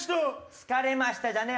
疲れましたじゃねえ